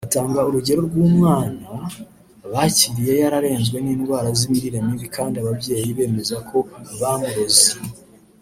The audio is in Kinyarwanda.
Atanga urugero rw’umwana bakiriye yararenzwe n’indwara z’imirire mibi kandi ababyeyi bemeza ko bamurozi